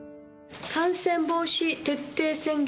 感染防止徹底宣言